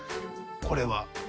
これは。